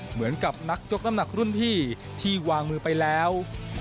เหมือนกับนักยกน้ำหนักรุ่นพี่ที่วางมือไปแล้ว